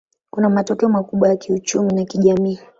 Kuna matokeo makubwa ya kiuchumi na kijamii.